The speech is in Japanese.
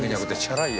チャラい？